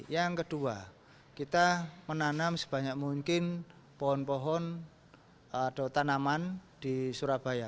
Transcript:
yang kedua kita menanam sebanyak mungkin pohon pohon atau tanaman di surabaya